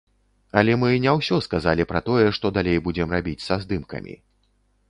Але мы не ўсё сказалі пра тое, што далей будзем рабіць са здымкамі.